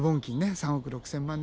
３億６，０００万年！